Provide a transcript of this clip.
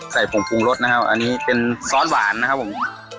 ผงปรุงรสนะครับอันนี้เป็นซอสหวานนะครับผม